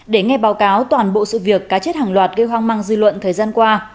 để nghe báo cáo toàn bộ sự việc cá chết hàng loạt gây hoang mang dư luận thời gian qua